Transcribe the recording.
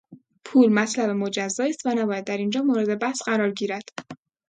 پول مطلب مجزایی است و نباید در اینجا مورد بحث قرار گیرد.